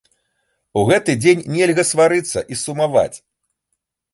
У гэты дзень нельга сварыцца і сумаваць.